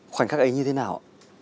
khoảnh khắc ấy như thế nào ạ